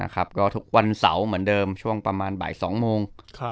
ก็ทุกวันเสาร์เหมือนเดิมช่วงประมาณบ่าย๒โมง